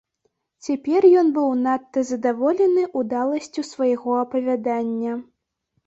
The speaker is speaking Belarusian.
Цяпер ён быў надта задаволены ўдаласцю свайго апавядання.